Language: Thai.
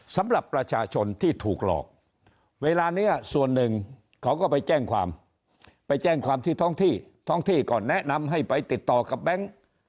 สำหรับประชาชนที่ถูกหลอกเวลานี้ส่วนหนึ่งเขาก็ไปแจ้งความไปแจ้งความที่ท้องที่ท้องที่ก็แนะนำให้ไปติดต่อกับแบงค์